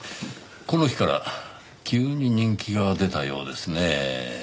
この日から急に人気が出たようですねぇ。